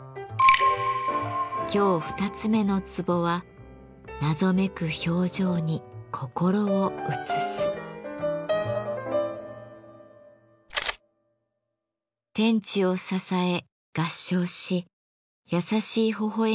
今日二つ目のツボは天地を支え合掌し優しいほほえみを見せる阿修羅の写真。